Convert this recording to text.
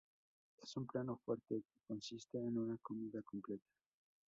Es un plato fuerte que consiste en una comida completa.